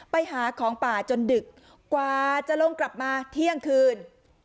ไปหาของป่าจนดึกกว่าจะลงกลับมาเที่ยงคืน